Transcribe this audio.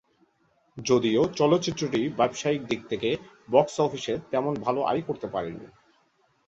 যদিও চলচ্চিত্রটি ব্যবসায়িক দিক থেকে বক্স অফিসে তেমন ভাল আয় করতে পারেনি।